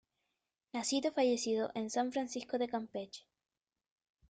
Nacido y fallecido en San Francisco de Campeche.